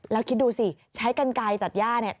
แล้วคิดดูสิใช้กันไกลตัดย่าเนี่ย